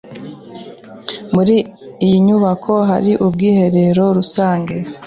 Muri iyi nyubako hari ubwiherero rusange?